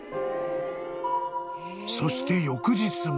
［そして翌日も］